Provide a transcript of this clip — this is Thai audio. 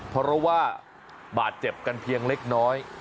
เพราะว่าบาดเจ็บกันเพียงเล็กน้อย